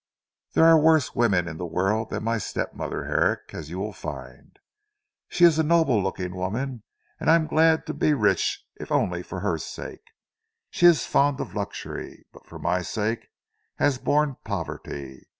There are worse women in the world than my step mother Herrick, as you will find. She is a noble looking woman, and I am glad to be rich if only for her sake. She is fond of luxury, but for my sake has borne poverty.